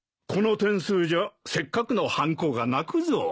この点数じゃせっかくのはんこが泣くぞ。